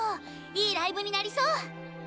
いいライブになりそう！